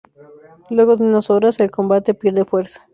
Luego de unas horas, el combate pierde fuerza.